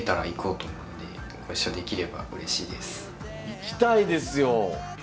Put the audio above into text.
行きたいですよ！